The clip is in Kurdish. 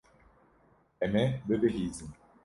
Em ê bibihîzin.